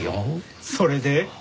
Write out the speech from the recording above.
それで？